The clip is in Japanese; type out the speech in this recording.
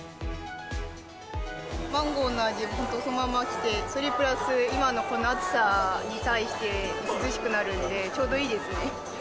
マンゴーの味が本当そのまんまきて、それプラス、今のこの暑さに対して涼しくなるんで、ちょうどいいですね。